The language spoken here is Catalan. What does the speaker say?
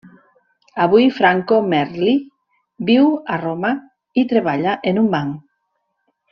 Avui Franco Merli viu a Roma i treballa en un banc.